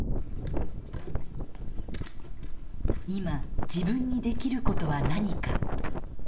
今自分にできることは何か。